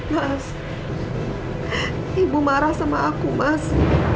mas ibu marah sama aku mas